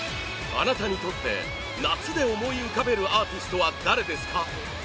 あなたにとって夏で思い浮かべるアーティストは誰ですか？